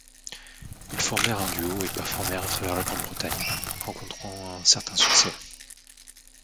Ils formèrent un duo et performèrent à travers la Grande-Bretagne, rencontrant un certain succès.